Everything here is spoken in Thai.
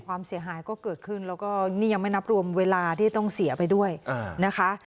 ความเสียหายก็เกิดขึ้นแล้วก็นี่ยังไม่นับรวมเวลาที่ต้องเสียไปด้วยนะคะ